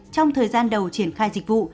trong thời gian đầu triển khai dịch vụ